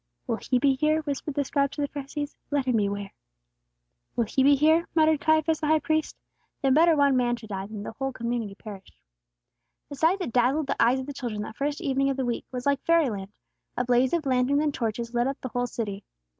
"Will He be here?" whispered the scribes to the Pharisees. "Let Him beware!" "Will He be here?" muttered Caiaphas the High Priest. "Then better one man should die, than that the whole community perish." The sight that dazzled the eyes of the children that first evening of the week, was like fairyland; a blaze of lanterns and torches lit up the whole city.